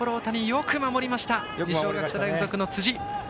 よく守りました二松学舎大付属の辻。